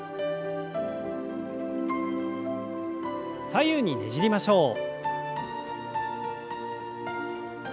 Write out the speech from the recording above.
左右にねじりましょう。